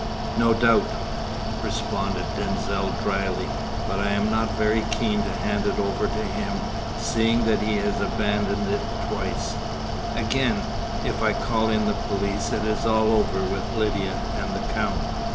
"No doubt," responded Denzil drily, "but I am not very keen to hand it over to him, seeing that he has abandoned it twice. Again, if I call in the police, it is all over with Lydia and the Count.